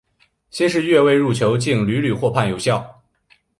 先是越位入球竟屡屡获判有效。